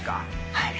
はい。